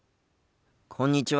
こんにちは。